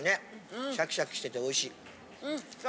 うん！シャキシャキしておいしい。